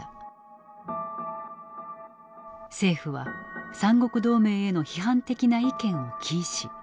政府は三国同盟への批判的な意見を禁止。